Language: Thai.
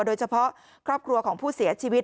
โดยเฉพาะครอบครัวของผู้เสียชีวิต